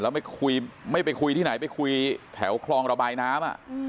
แล้วไม่คุยไม่ไปคุยที่ไหนไปคุยแถวคลองระบายน้ำ